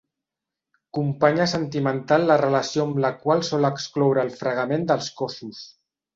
Companya sentimental la relació amb la qual sol excloure el fregament dels cossos.